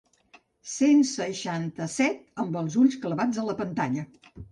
Cent seixanta-set amb els ulls clavats a la pantalla.